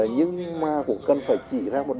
nhưng mà cũng cần phải chỉ ra một